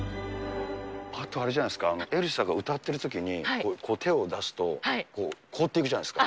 あとあれじゃないですか、エルサが歌ってるときに、手を出すと、凍っていくじゃないですか。